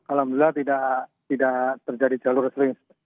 alhamdulillah tidak terjadi jalur sering